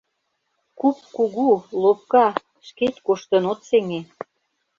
Куп кугу, лопка, шкет коштын от сеҥе.